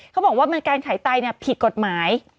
เขาบอกว่าการขายไตผิดกฎหมาย